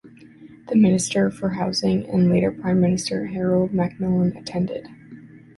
The Minister for Housing and later Prime Minister, Harold Macmillan, attended.